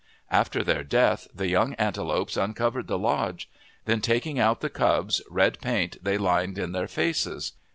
After their death the young antelopes uncovered the lodge. Then taking out the cubs, red paint they lined in their faces.